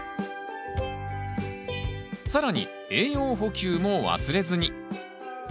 更に栄養補給も忘れずに。